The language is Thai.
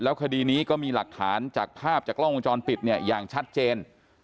คดีนี้ก็มีหลักฐานจากภาพจากกล้องวงจรปิดเนี่ยอย่างชัดเจน